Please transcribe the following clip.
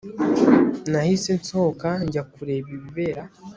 Nahise nsohoka njya kureba ibibera